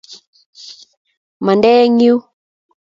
Mande eng yu!